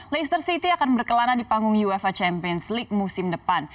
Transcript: leicester city akan berkelana di panggung ufa champions league musim depan